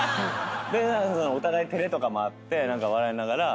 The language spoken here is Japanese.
お互い照れとかもあって笑いながらこう。